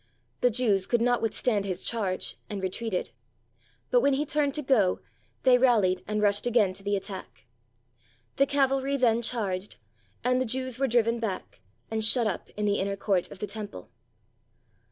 The Jews could not withstand his charge, and retreated. But when he turned to go, they rallied and rushed again to the attack. The cavalry then charged, and the Jews were driven back, and shut up in the inner court of the Temple.